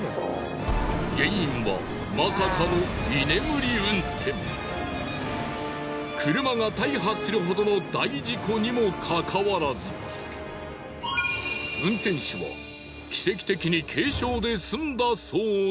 原因はまさかの車が大破するほどの大事故にもかかわらず運転手は奇跡的に。